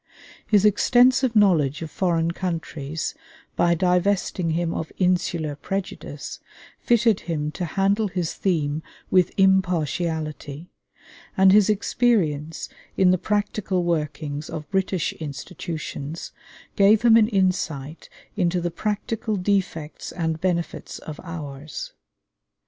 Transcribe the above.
His extensive knowledge of foreign countries, by divesting him of insular prejudice, fitted him to handle his theme with impartiality, and his experience in the practical workings of British institutions gave him an insight into the practical defects and benefits of ours.